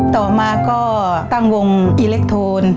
ต่อมาก็ตั้งวงอิเล็กโทน